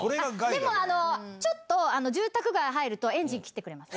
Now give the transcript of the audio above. でも、ちょっと住宅街入ると、エンジン切ってくれます。